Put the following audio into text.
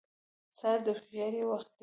سهار د هوښیارۍ وخت دی.